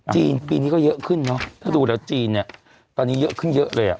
จีนปีนี้ก็เยอะขึ้นเนอะถ้าดูแล้วจีนเนี่ยตอนนี้เยอะขึ้นเยอะเลยอ่ะ